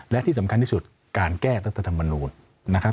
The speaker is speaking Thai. และที่สำคัญที่สุดการแก้รัฐธรรมนูลนะครับ